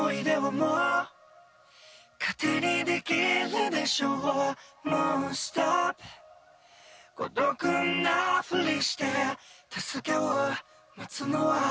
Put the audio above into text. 「もうｓｔｏｐ」「孤独なふりして」「助けを待つのは」